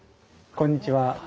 こんにちは。